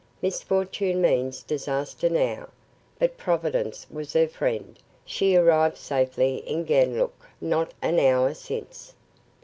Misfortune means disaster now. But Providence was her friend. She arrived safely in Ganlook not an hour since."